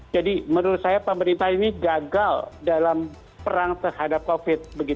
jadi menurut saya pemerintah ini gagal dalam perang terhadap covid sembilan belas